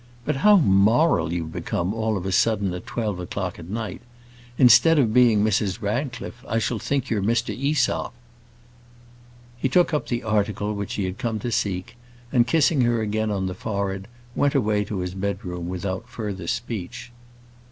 But how moral you've become all of a sudden at twelve o'clock at night! Instead of being Mrs Radcliffe, I shall think you're Mr Æsop." He took up the article which he had come to seek, and kissing her again on the forehead, went away to his bed room without further speech.